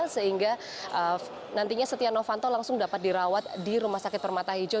sehingga nantinya setia novanto langsung dapat dirawat di rumah sakit permata hijau